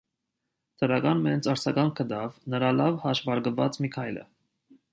Դրական մեծ արձագանք գտավ նրա լավ հաշվարկված մի քայլը։